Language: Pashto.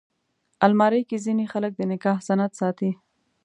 الماري کې ځینې خلک د نکاح سند ساتي